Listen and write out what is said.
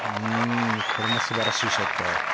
これも素晴らしいショット。